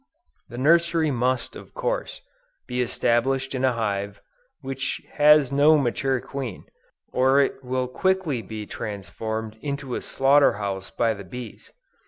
This Nursery must of course, be established in a hive which has no mature queen, or it will quickly be transformed into a slaughter house by the bees.